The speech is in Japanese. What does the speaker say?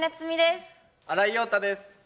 新井庸太です。